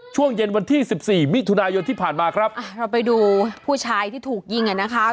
ช่วงเย็นวันที่สิบสี่มิถุนายนที่ผ่านมาครับอ่าเราไปดูผู้ชายที่ถูกยิงอ่ะนะคะ